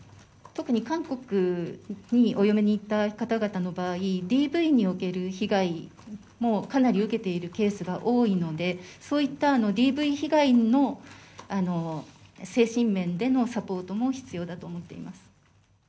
特に韓国にお嫁に行った方々の場合、ＤＶにおける被害もかなり受けているケースが多いので、そういったＤＶ被害の精神面でのサポートも必要だと思っています。